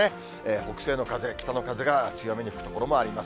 北西の風、北の風が強めに吹く所もあります。